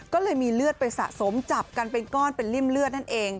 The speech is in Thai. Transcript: ก็เลยมีเลือดไปสะสมจับกันเป็นก้อนเป็นริ่มเลือดนั่นเอง